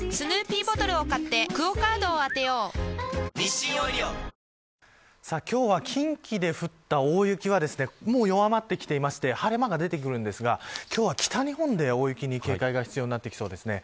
この後なんですけれども各地で今日は近畿で降った大雪はもう弱まってきていて晴れ間が出てくるんですが今日は北日本で大雪に警戒が必要になってきそうです。